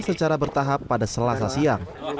secara bertahap pada selasa siang